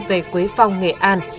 khi về quế phong nghệ an